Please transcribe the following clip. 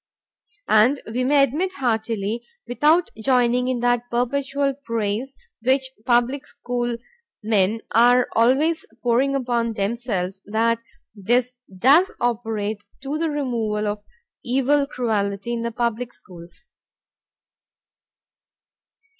And we may admit heartily (without joining in that perpetual praise which public school men are always pouring upon themselves) that this does operate to the removal of mere evil cruelty in the public schools.